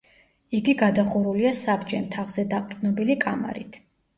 იგი გადახურულია საბჯენ თაღზე დაყრდნობილი კამარით.